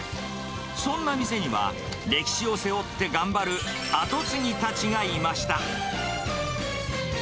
そんな店には、歴史を背負って頑張る後継ぎたちがいました。